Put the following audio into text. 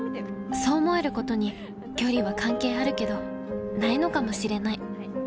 そう思えることに距離は関係あるけどないのかもしれない。